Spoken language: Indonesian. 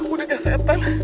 udah kayak setan